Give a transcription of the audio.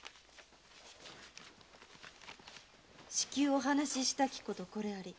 「至急お話ししたきことこれあり。